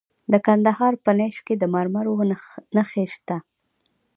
د کندهار په نیش کې د مرمرو نښې شته.